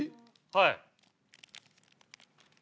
はい。